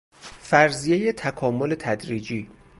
فرضیه تکامل تدریجی